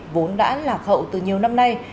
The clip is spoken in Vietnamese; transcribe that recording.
vốn đã lạc hậu từ nhiều năm nay